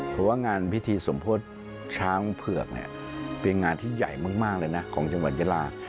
เพราะว่างานพิธีสมโพธิช้างเผือกเนี่ยเป็นงานที่ใหญ่มากเลยนะของจังหวัดยาลา